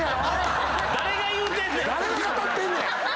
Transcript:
誰が言うてんねん！